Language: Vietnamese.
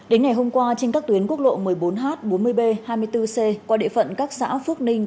đến ngày hôm qua trên các tuyến quốc lộ một mươi bốn h bốn mươi b hai mươi bốn c qua địa phận các xã phước ninh